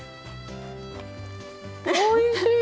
おいしい！